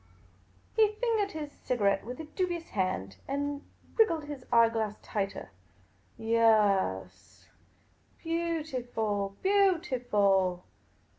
He fingered his cigarette with a dubious hand, and wrig gled his eye glass tighter. " Yaas, beautiful ; beautiful